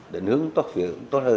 định hướng phát triển tốt hơn